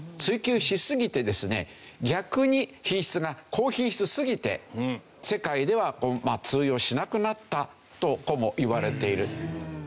逆に品質が高品質すぎて世界では通用しなくなったともいわれている。